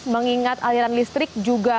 mengingat aliran listrik